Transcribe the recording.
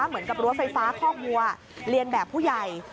เหมือนกับรั้วไฟฟ้าคอกวัวเรียนแบบผู้ใหญ่